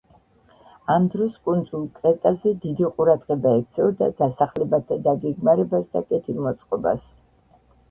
ამ დროს კუნძულ კრეტაზე დიდი ყურადღება ექცეოდა დასახლებათა დაგეგმარებას და კეთილმოწყობას.